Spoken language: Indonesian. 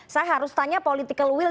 saya harus tanya political will